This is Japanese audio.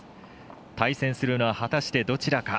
対戦するのは果たしてどちらか。